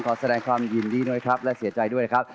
แสดงความยินดีด้วยครับและเสียใจด้วยนะครับ